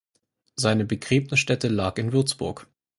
Seine Begräbnisstätte lag in Würzburg.